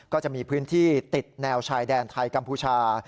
ก็จะมีพื้นที่ติดแนวชายแดนไทยกัมพูชา